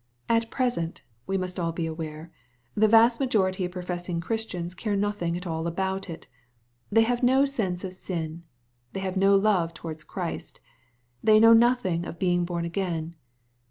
At present, we must all be aware, the vast majority of professing Christians care nothing at all about it. They have no sense of sin. They have no love towards Christ. They know nothing of being bom again.